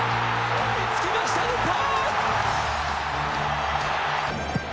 追いつきました、日本！